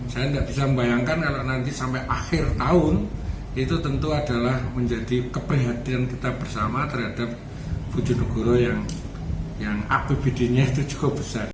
saya tidak bisa membayangkan kalau nanti sampai akhir tahun itu tentu adalah menjadi keprihatinan kita bersama terhadap bojonegoro yang apbd nya itu cukup besar